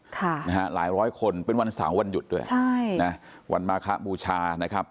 ค่ะนะฮะหลายร้อยคนเป็นวันเสาร์วันหยุดด้วยใช่นะวันมาคบูชานะครับ